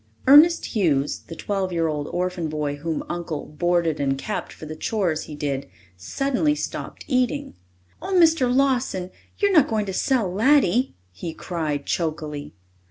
Ernest Hughes, the twelve year old orphan boy whom Uncle "boarded and kept" for the chores he did, suddenly stopped eating. "Oh, Mr. Lawson, you're not going to sell Laddie?" he cried chokily.